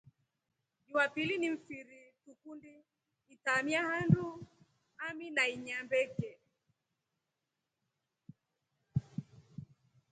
Jumapili ni mfiri tukundi itramia handu ami na inya mbeke.